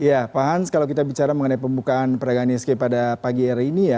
ya pak hans kalau kita bicara mengenai pembukaan perdagangan isg pada pagi hari ini ya